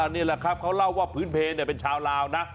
นี่แหละครับเขาเล่าว่าพื้นเพลเป็นชาวลาวนะ